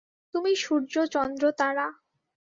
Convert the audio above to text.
তুমিই সূর্য, চন্দ্র, তারা।